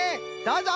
どうぞ。